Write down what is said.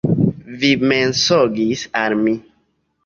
Vi mensogis al mi.